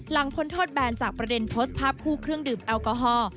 พ้นโทษแบนจากประเด็นโพสต์ภาพคู่เครื่องดื่มแอลกอฮอล์